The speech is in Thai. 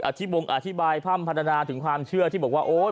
ที่บงอธิบายพร่ำพัฒนาถึงความเชื่อที่บอกว่าโอ๊ย